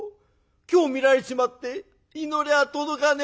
今日見られちまって祈りが届かねえ。